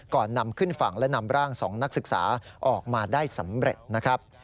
ก่อนนำขึ้นฝั่งและนำร่าง๒นักศึกษาออกมาได้สำเร็จนะครับ